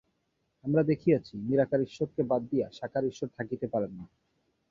আমরা দেখিয়াছি, নিরাকার ঈশ্বরকে বাদ দিয়া সাকার ঈশ্বর থাকিতে পারেন না।